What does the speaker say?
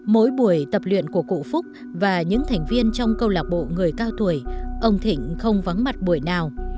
mỗi buổi tập luyện của cụ phúc và những thành viên trong câu lạc bộ người cao tuổi ông thịnh không vắng mặt buổi nào